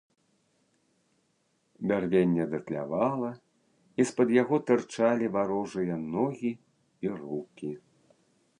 Бярвенне датлявала, і з-пад яго тырчалі варожыя ногі і рукі.